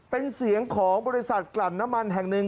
เป็นเสียงของบริษัทกลั่นน้ำมันแห่งหนึ่ง